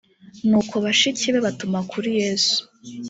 nuko bashiki be batuma kuri yesu